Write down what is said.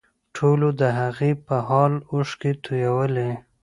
ټولو د هغې په حال اوښکې تویولې